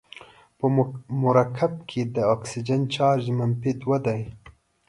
په مرکب کې د اکسیجن چارج منفي دوه دی.